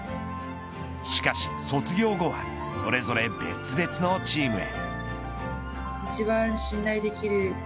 しかし、卒業後はそれぞれ別々のチームへ。